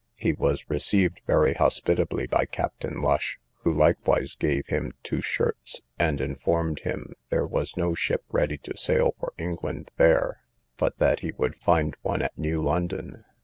He was received very hospitably by Captain Lush, who likewise gave him two shirts, and informed him, there was no ship ready to sail for England there, but that he would find one at New London.